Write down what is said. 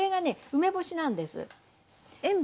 梅干しなんです。